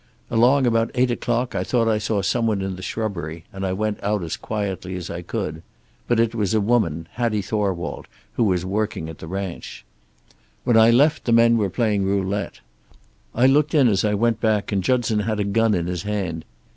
Along about eight o'clock I thought I saw some one in the shrubbery, and I went out as quietly as I could. But it was a woman, Hattie Thorwald, who was working at the ranch. "When I left the men were playing roulette. I looked in as I went back, and Judson had a gun in his hand.